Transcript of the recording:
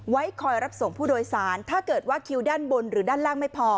ไว้คอยรับส่งผู้โดยสารถ้าเกิดว่าคิวด้านบนหรือด้านล่างไม่พอ